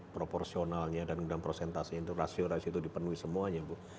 proporsionalnya dan kemudian prosentasenya itu rasio rasio itu dipenuhi semuanya bu